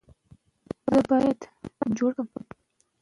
که نجونې پوهنتون ولولي نو د کار موندل به ګران نه وي.